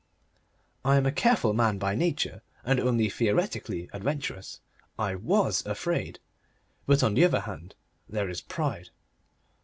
I am a careful man by nature, and only theoretically adventurous. I WAS afraid. But on the other hand there is pride.